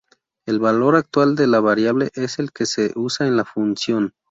El valor actual de la variable es el que se usa en la función.